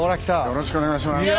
よろしくお願いします。